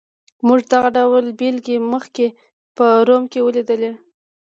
موږ دغه ډول بېلګې مخکې په روم کې ولیدلې.